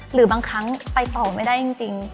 หรือบางครั้งไปต่อไม่ได้จริง